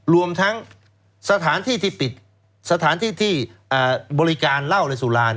รวมทั้งสถานที่ที่ปิดสถานที่ที่บริการเหล้าในสุรา